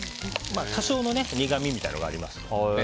多少の苦みみたいなのがありますけどね。